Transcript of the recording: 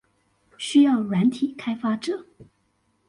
需要軟體開發者